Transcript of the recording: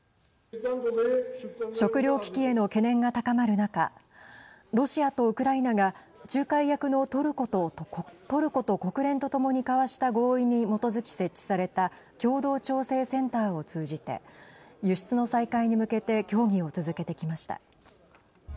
食料危機への懸念が高まる中ロシアとウクライナが仲介役のトルコと国連とともに交わした合意に基づき設置された共同調整センターを通じて輸出の再開に向けて協議を続けてきました。